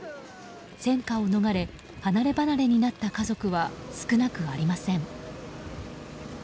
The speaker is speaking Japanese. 戦火を逃れ、離れ離れになった家族は少なくありません。